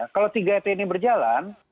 kalau tiga t ini berjalan